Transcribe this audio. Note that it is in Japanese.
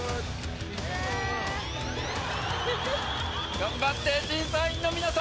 頑張って審査員の皆様。